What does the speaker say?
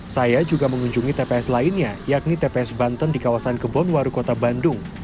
saya juga mengunjungi tps lainnya yakni tps banten di kawasan kebonwaru kota bandung